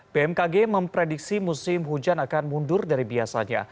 bmkg memprediksi musim hujan akan mundur dari biasanya